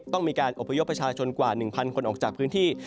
ต้องมีการอบพยพประชาชนกว่า๑๐๐คนออกจากพื้นที่